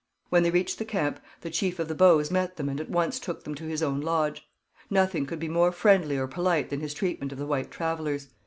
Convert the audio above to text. When they reached the camp the chief of the Bows met them and at once took them to his own lodge. Nothing could be more friendly or polite than his treatment of the white travellers.